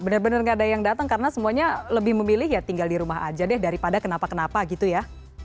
benar benar gak ada yang datang karena semuanya lebih memilih ya tinggal di rumah aja deh daripada kenapa kenapa gitu ya